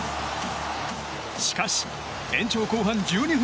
しかし、延長後半１２分。